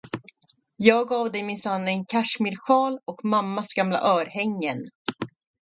Jag gav dig minsann en kaschmirschal och mammas gamla örhängen.